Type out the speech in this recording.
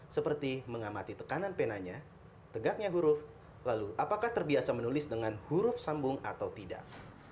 seperti mengamati tekanan penanya tegaknya huruf lalu apakah terbiasa menulis dengan huruf sambung atau tidak